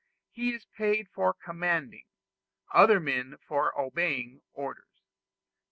He is paid for commanding, other men for obeying orders.